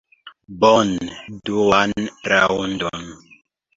Bone, duan raŭndon!